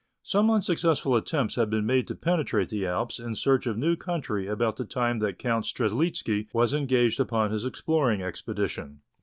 Some unsuccessful attempts had been made to penetrate the Alps in search of new country about the time that Count Strzelecki was engaged upon his exploring expedition.